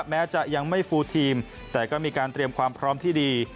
แม้จะยังไม่ฟูลทีมแต่ก็มีการเตรียมความพร้อมที่ดี